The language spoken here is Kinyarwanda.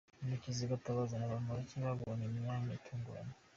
Murekezi, Gatabazi na Bamporiki babonye imyanya itunguranye.